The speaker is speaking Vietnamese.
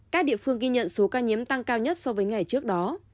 các địa phương ghi nhận số ca nhiễm tăng cao nhất so với ngày trước đó